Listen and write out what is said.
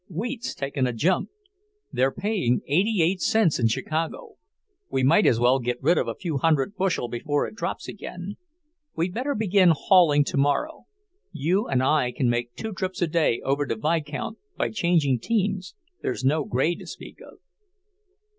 Wheat's taken a jump. They're paying eighty eight cents in Chicago. We might as well get rid of a few hundred bushel before it drops again. We'd better begin hauling tomorrow. You and I can make two trips a day over to Vicount, by changing teams, there's no grade to speak of."